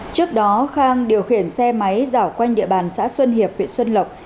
trước đó khang điều khiển xe máy giảo quanh địa bàn xã xuân hiệp huyện xuân lộc